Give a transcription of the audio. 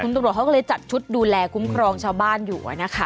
ตำรวจเขาก็เลยจัดชุดดูแลคุ้มครองชาวบ้านอยู่